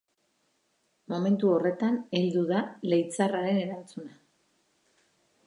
Momentu horretan heldu da leitzarraren erantzuna.